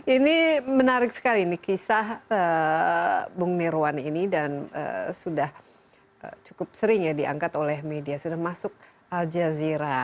ini menarik sekali nih kisah bang nirwan ini dan sudah cukup sering ya diangkat oleh media sudah masuk aljazeera